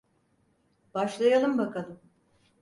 Başlayalım bakalım.